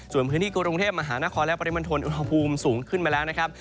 ส่วนพื้นที่กรุงเทพมหานครและปริมณฑลอุณหภูมิสูงขึ้นมาแล้วนะครับ